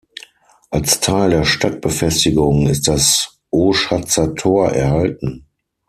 Als Teil der Stadtbefestigung ist das Oschatzer Tor erhalten.